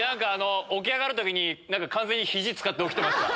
起き上がる時に完全に肘使って起きてました。